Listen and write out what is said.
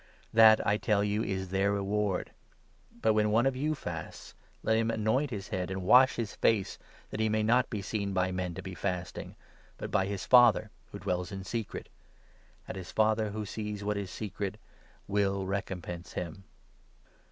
That, I tell you, is their reward ! But, when one of you fasts, let him anoint his 17 head and wash his face, that he may not be seen by men to be 18 fasting, but by his Father who dwells in secret ; and his Father, who sees what is secret, will recompense him.